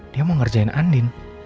dia mau ngerjain andin